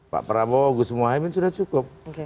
pak prabowo gus muhaymin sudah cukup